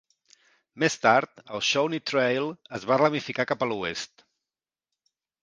Més tard, el Shawnee Trail es va ramificar cap a l'oest.